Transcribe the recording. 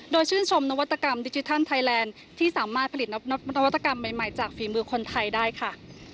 โดยชื่นชมนวัตกรรมดิจิทัลไทยแลนด์ที่สามารถผลิตนวัตกรรมใหม่จากฝีมือคนไทยได้ค่ะ